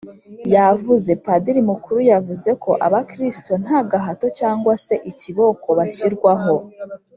yavuze, padiri mukuru yavuze ko abakristu nta gahato cyangwa se ikiboko bashyirwaho